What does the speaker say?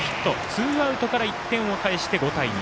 ツーアウトから１点を返して、５対２。